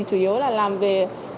chủ yếu là làm về